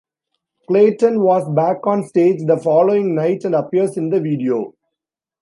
Clayton was back on stage the following night and appears in the video.